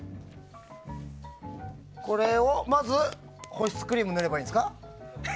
これをまず、保湿クリーム塗ればいいんですか？